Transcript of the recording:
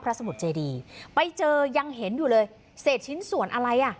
สมุทรเจดีไปเจอยังเห็นอยู่เลยเศษชิ้นส่วนอะไรอ่ะ